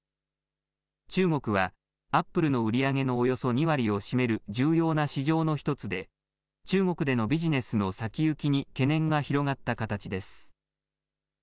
中国はアップルの売り上げのおよそ２割を占める重要な市場の一つで中国でのビジネスの先行きに懸念が広がった形です。